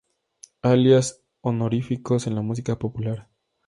Alias honoríficos en la música popular